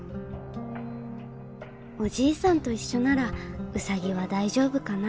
おじいさんと一緒ならウサギは大丈夫かな。